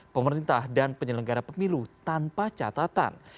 pemerintah dan penyelenggara pemilu tanpa catatan